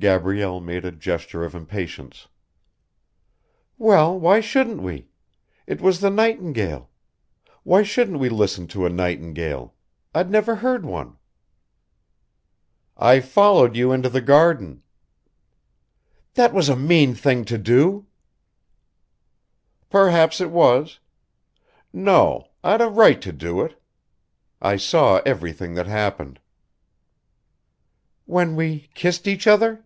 Gabrielle made a gesture of impatience. "Well, why shouldn't we? It was the nightingale. Why shouldn't we listen to a nightingale? I'd never heard one." "I followed you into the garden." "That was a mean thing to do!" "Perhaps it was. No ... I'd a right to do it. I saw everything that happened." "When we kissed each other?"